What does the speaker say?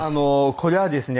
これはですね